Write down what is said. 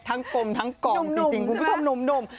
กลมทั้งกล่องจริงคุณผู้ชมหนุ่ม